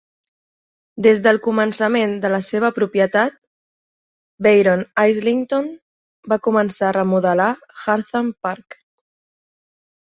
Des del començament de la seva propietat, Baron Islington va començar a remodelar Hartham Park.